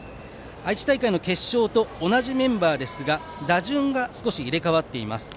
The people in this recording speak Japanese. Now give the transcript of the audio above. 愛知大会の決勝と同じメンバーですが打順が少し入れ替わっています。